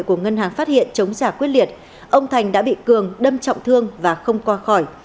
của ngân hàng phát hiện chống giả quyết liệt ông thành đã bị cường đâm trọng thương và không qua khỏi